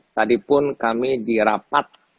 tadi pun kami dirapat